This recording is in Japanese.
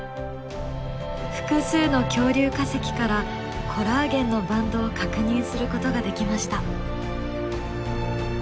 複数の恐竜化石からコラーゲンのバンドを確認することができました。